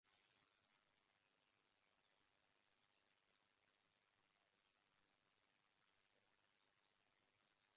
The company's subscription-based product, the Cyveillance Intelligence Center, is a hosted solution.